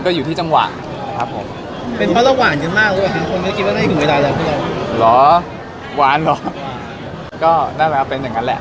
ก็น่าจะเป็นอย่างนั้นแล้ว